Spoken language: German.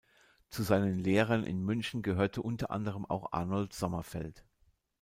Zu seinen Lehrern in München gehörte unter anderem auch Arnold Sommerfeld.